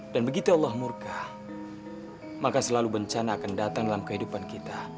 dan begitu allah murka maka selalu bencana akan datang dalam kehidupan kita